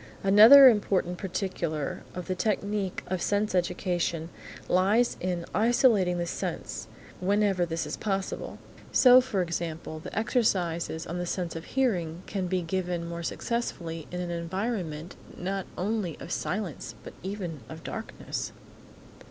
Another important particular in the technique of sense education lies in isolating the sense, whenever this is possible. So, for example, the exercises on the sense of hearing can be given more successfully in an environment not only of silence, but even of darkness.